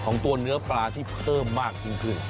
ของตัวเนื้อปลาที่เพิ่มมากขึ้น